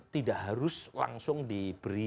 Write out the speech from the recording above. tidak harus langsung diberi